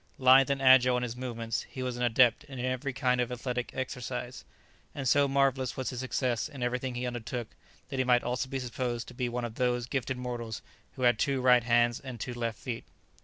Lithe and agile in his movements, he was an adept in every kind of athletic exercise; and so marvellous was his success in everything he undertook, that he might almost be supposed to be one of those gifted mortals who have two right hands and two left feet.